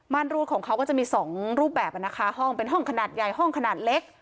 รูดของเขาก็จะมีสองรูปแบบนะคะห้องเป็นห้องขนาดใหญ่ห้องขนาดเล็ก